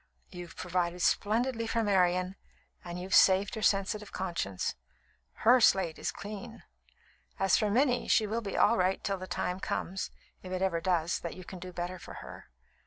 "You've provided splendidly for Marian and you've saved her sensitive conscience. Her slate is clean. As for Minnie, she will be all right until the time comes, if it ever does, that you can do better for her.